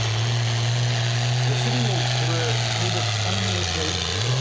手すりもこれちょうどつかみ心地がいいというか。